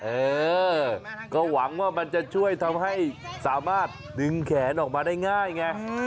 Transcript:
เออก็หวังว่ามันจะช่วยทำให้สามารถดึงแขนออกมาได้ง่ายไง